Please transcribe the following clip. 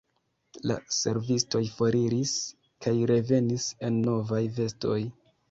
La servistoj foriris kaj revenis en novaj vestoj.